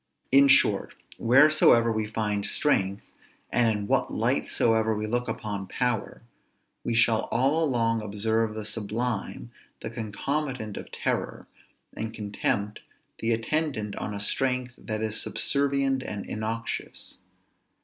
_ In short, wheresoever we find strength, and in what light soever we look upon power, we shall all along observe the sublime the concomitant of terror, and contempt the attendant on a strength that is subservient and innoxious.